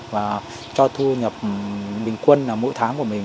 và cho thu nhập bình quân mỗi tháng của mình